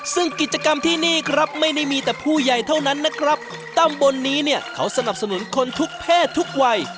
ซึ่งกิจกรรมที่นี่ครับไม่ได้มีแต่ผู้ใหญ่เท่านั้นนะครับตำบลนี้เนี่ยเขาสนับสนุนคนทุกเพศทุกวัย